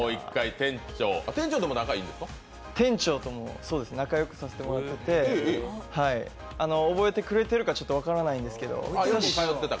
店長とも仲よくさせてもらって覚えてくれてるかちょっと分からないんですけど。